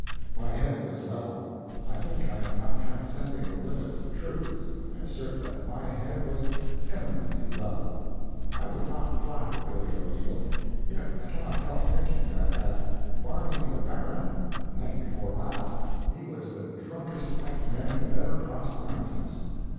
My head was level. I think I am not transcending the limits of truth, when I assert that my head was eminently level. I would not flatter Billy O'Neil, yet I cannot help thinking that as "Barney the Baron," night before last, he was the drunkest white man that ever crossed the mountains.